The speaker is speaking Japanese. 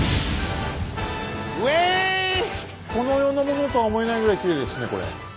うぇい！この世のものとは思えないぐらいきれいですねこれ。